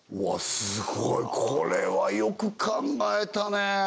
すごいこれはよく考えたね